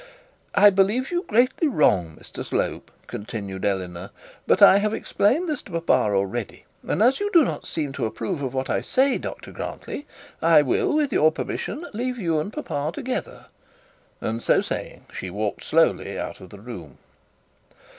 'I believe you greatly wrong Mr Slope,' continued Eleanor; 'but I have explained this to papa already; and as you do not seem to approve of what I say, Dr Grantly, I will with your permission leave you and papa together,' and so saying she walked out of the room.